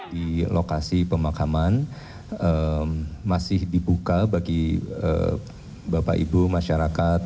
di lokasi pemakaman masih dibuka bagi bapak ibu masyarakat